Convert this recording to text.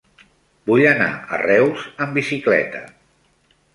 Vull anar a Reus amb bicicleta.